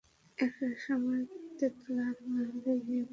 এক সময় তেতলার বারান্দায় গিয়ে বসে।